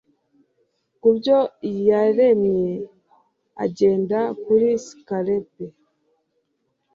ku byo yaremye agenda kuri scalpel